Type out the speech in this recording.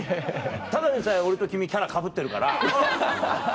ただでさえ俺と君キャラかぶってるから。